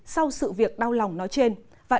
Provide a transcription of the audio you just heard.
sau sự việc đau lòng nói trên